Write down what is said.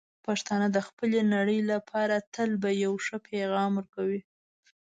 پښتانه د خپلې نړۍ لپاره تل به یو ښه پېغام ورکوي.